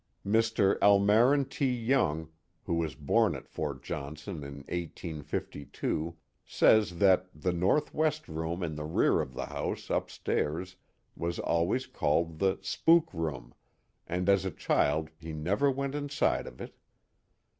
Mr. Almarin T. Young, who was born at Fort Johnson in 1852, says that the northwest room in the rear of the house upstairs was always called the " spook room, and as a child he never went inside of it.